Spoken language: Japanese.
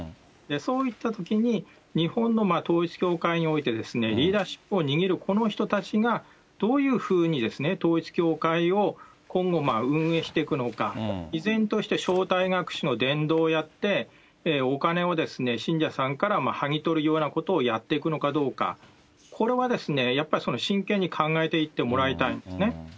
そういったときに、日本の統一教会において、リーダーシップを握るこの人たちが、どういうふうに統一教会を今後、運営していくのか、依然として正体隠しの伝道をやって、お金を信者さんからはぎ取るようなことをやっていくのかどうか、これはやっぱり真剣に考えていってもらいたいんですね。